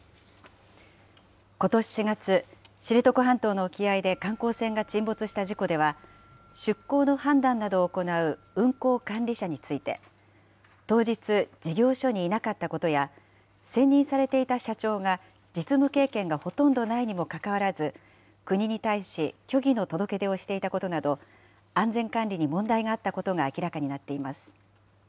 ことし４月、知床半島の沖合で観光船が沈没した事故では、出航の判断などを行う運航管理者について、当日、事業所にいなかったことや、選任されていた社長が実務経験がほとんどないにもかかわらず、国に対し、虚偽の届け出をしていたことなど、安全管理に問題があったことが明らかになっています。